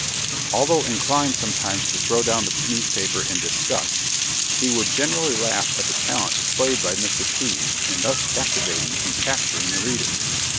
Although inclined sometimes to throw down the newspaper in disgust, he would generally laugh at the talent displayed by Mr. Pease in thus captivating and capturing the reader.